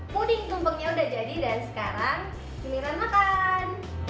puding tumpengnya sudah jadi dan sekarang seniran makan